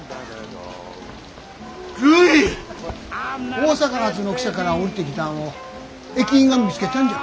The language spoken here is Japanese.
大阪発の汽車から降りてきたんを駅員が見つけたんじゃ。